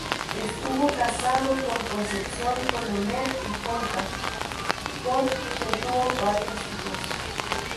Estuvo casado con Concepción Colomer y Conca, con quien tuvo varios hijos.